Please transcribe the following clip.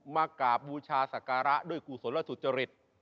กราบบูชาศักระด้วยกุศลและสุจริต